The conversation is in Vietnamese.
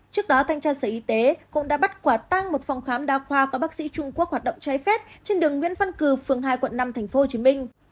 trước đó thanh tra sở y tế cũng đã bắt quả tăng một phòng khám đa khoa có bác sĩ trung quốc hoạt động trái phép trên đường nguyễn văn cử phường hai quận năm tp hcm